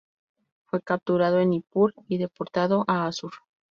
Fue capturado en Nippur y deportado a Assur.